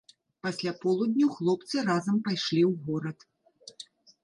Пасля полудню хлопцы разам пайшлі ў горад.